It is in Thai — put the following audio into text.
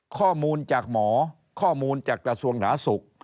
ข้อมูลจากหมอข้อมูลจากกระทรวงหนาสุข